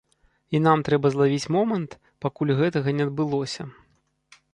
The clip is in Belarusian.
І нам трэба злавіць момант, пакуль гэтага не адбылося.